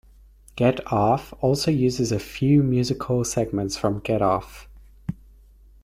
"Gett Off" also uses a few musical segments from "Get Off".